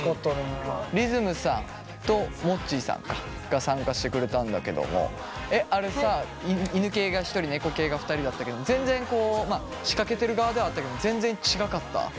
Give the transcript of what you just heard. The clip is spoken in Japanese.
りずむさんともっちーさんか。が参加してくれたんだけどもあれさ犬系が１人猫系が２人だったけど全然こう仕掛けてる側ではあったけども全然違かった？